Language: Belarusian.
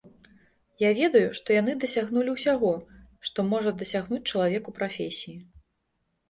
Я ведаю, што яны дасягнулі ўсяго, што можа дасягнуць чалавек у прафесіі.